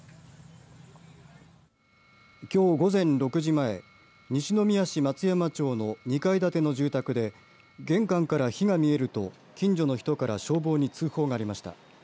きょう午前６時前西宮市松山町の２階建ての住宅で玄関から火が見えると近所の人から消防に通報がありました。